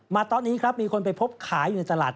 ตอนนี้ครับมีคนไปพบขายอยู่ในตลาด